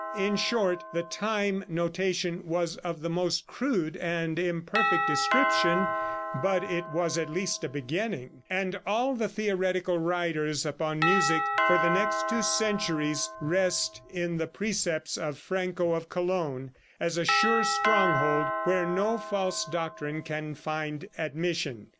In short, the time notation was of the most crude and imperfect description, but it was at least a beginning, and all the theoretical writers upon music for the next two centuries rest in the precepts of Franco of Cologne, as a sure stronghold, where no false doctrine can find admission.